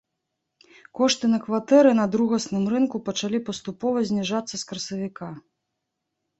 Кошты на кватэры на другасным рынку пачалі паступова зніжацца з красавіка.